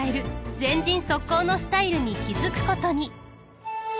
前陣速攻のスタイルに気付くことに。